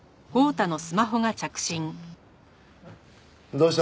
どうした？